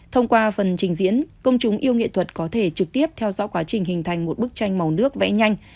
thông qua phần trình diễn công chúng yêu nghệ thuật có thể trực tiếp theo dõi quá trình hình thành một bức tranh màu nước vẽ nhanh